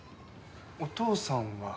お父さんは？